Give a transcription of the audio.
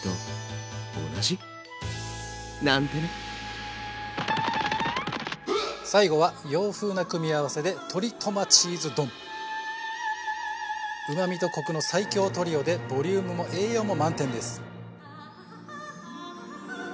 それって最後は洋風な組み合わせでうまみとコクの最強トリオでボリュームも栄養も満点です。